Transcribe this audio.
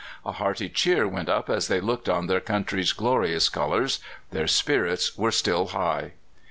A hearty cheer went up as they looked on their country's glorious colours. Their spirits were still high.